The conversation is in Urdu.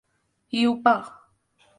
ہیوپا